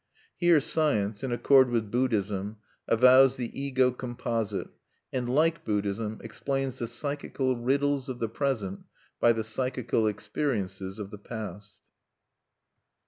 Here Science, in accord with Buddhism, avows the Ego composite, and, like Buddhism, explains the psychical riddles of the present by the psychical experiences of the past.